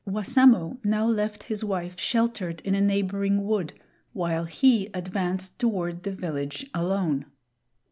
Wassamo now left his wife sheltered in a neighboring wood, while he advanced toward the village alone.